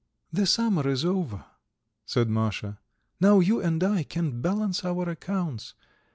"The summer is over," said Masha. "Now you and I can balance our accounts.